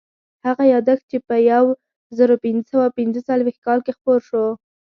هغه یادښت یې په یو زرو پینځه سوه پینځه څلوېښت کال کې خپور شو.